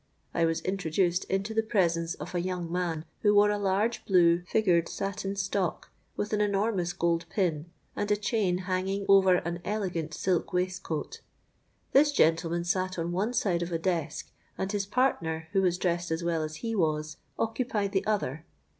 I was introduced into the presence of a young man, who wore a large blue figured satin stock with an enormous gold pin, and a chain hanging over an elegant silk waistcoat. This gentleman sate on one side of a desk; and his partner, who was dressed as well as he was, occupied the other.